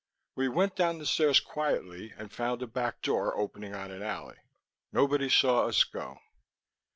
We went down the stairs quietly and found a back door opening on an alley. Nobody saw us go.